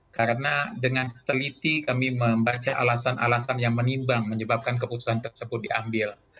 karena dengan seteliti kami membaca alasan alasan yang menimbang menyebabkan keputusan tersebut diambil